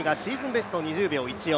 ベスト２０秒１４。